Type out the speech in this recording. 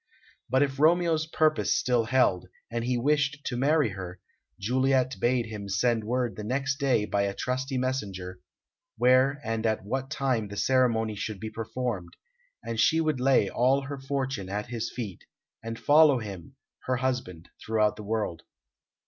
But if Romeo's purpose still held, and he wished to marry her, Juliet bade him send word the next day by a trusty messenger, where and at what time the ceremony should be performed; and she would lay all her fortune at his feet, and follow him, her husband, throughout the world.